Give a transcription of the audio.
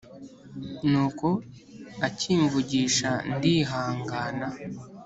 nuko akimvugisha ndihangana